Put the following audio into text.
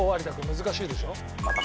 難しいでしょ。